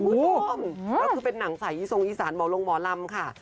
อู๊ยนั่งเป็นหนังใส่อีสงอีสานบ่อลงบ่อลำค่ะ